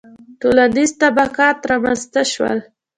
• ټولنیز طبقات رامنځته شول.